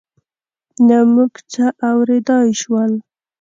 نه موږ څه اورېدای شول.